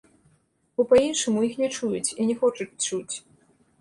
Бо па-іншаму іх не чуюць і не хочуць чуць.